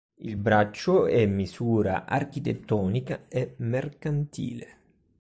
Il braccio è misura architettonica e mercantile.